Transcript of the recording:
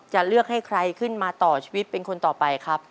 จะเลือกให้ใครขึ้นมาต่อชีวิตเป็นคนต่อไปครับ